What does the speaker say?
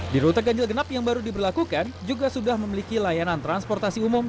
di rute ganjil genap yang baru diberlakukan juga sudah memiliki layanan transportasi umum